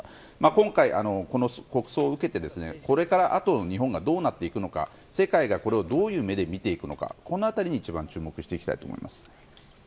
今回この国葬を受けてこれからあとの日本がどうなっていくのか、世界がこれをどういう目で見ていくかこのあたりに注目していきたいと思います。